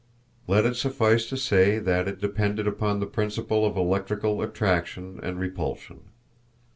Let it suffice to say that it depended upon the principal of electrical attraction and repulsion.